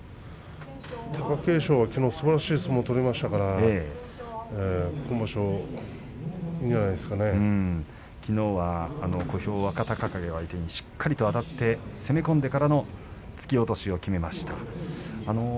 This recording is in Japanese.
貴景勝はきのうすばらしい相撲を取りましたから今場所きのうは小兵若隆景相手にしっかりとあたって攻め込んでから突き落としをきめました。